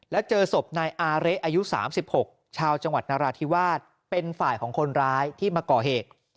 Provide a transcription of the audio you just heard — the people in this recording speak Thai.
แล้วเจอศพนายอาเละอายุ๓๖ชาวจังหวัดนราธิวาสเป็นฝ่ายของคนร้ายที่มาก่อเหตุ